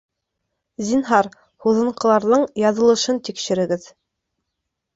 Зинһар, һуҙынҡыларҙың яҙылышын тикшерегеҙ